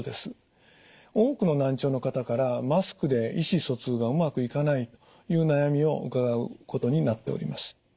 多くの難聴の方からマスクで意思疎通がうまくいかないという悩みを伺うことになっております。